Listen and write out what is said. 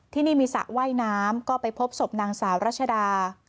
ที่นี่มีสระว่ายน้ำก็ไปพบศพนางสาวรัชดา